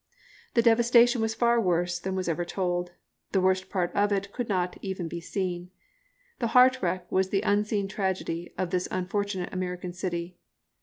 The devastation was far worse than was ever told. The worst part of it could not even be seen. The heart wreck was the unseen tragedy of this unfortunate American city.